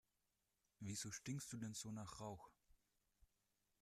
Wieso stinkst du denn so nach Rauch?